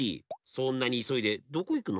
そんなにいそいでどこいくの？